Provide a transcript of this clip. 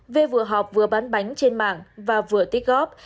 v vừa họp vừa bán bánh trên mạng và vừa tích góp